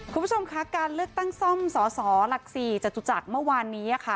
คุณผู้ชมคะการเลือกตั้งซ่อมสสหลัก๔จตุจักรเมื่อวานนี้ค่ะ